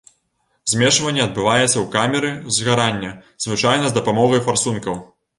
Змешванне адбываецца ў камеры згарання, звычайна з дапамогай фарсунак.